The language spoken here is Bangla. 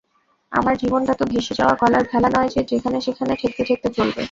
আমার জীবনটা তো ভেসে-যাওয়া কলার ভেলা নয় যে যেখানে-সেখানে ঠেকতে ঠেকতে চলবে।